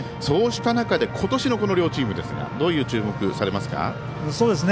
そうした中で今年のこの両チームどういう注目をされますか。